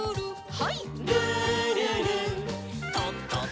はい。